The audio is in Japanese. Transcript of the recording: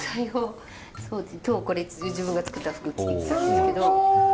今日これ自分が作った服着てきたんですけど。